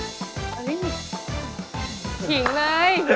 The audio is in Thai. หิงเลย